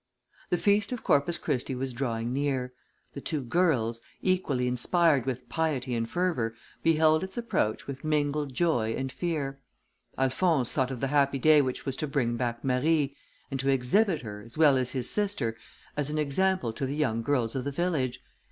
The feast of Corpus Christi was drawing near; the two girls, equally inspired with piety and fervour, beheld its approach with mingled joy and fear. Alphonse thought of the happy day which was to bring back Marie, and to exhibit her, as well as his sister, as an example to the young girls of the village.